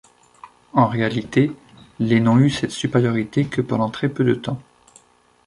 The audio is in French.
En réalité, les n'ont eu cette supériorité que pendant très peu de temps.